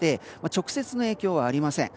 直接の影響はありません。